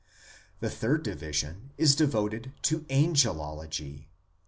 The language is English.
The third division is devoted to Angelology.